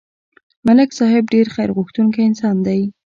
ملک صاحب ډېر خیرغوښتونکی انسان دی